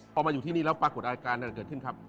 พอมาอยู่ที่นี้ปรากฎอาการอะไรเกิดขึ้นครับ